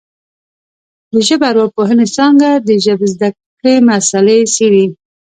د ژبارواپوهنې څانګه د ژبزده کړې مسالې څېړي